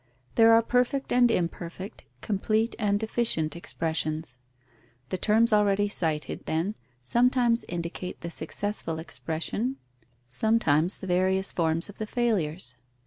There are perfect and imperfect, complete and deficient expressions. The terms already cited, then, sometimes indicate the successful expression, sometimes the various forms of the failures.